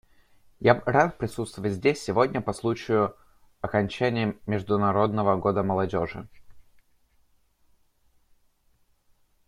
Я рад присутствовать здесь сегодня по случаю окончания Международного года молодежи.